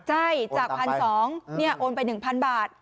ใช่จาก๑๒๐๐โอนไป๑๐๐บาท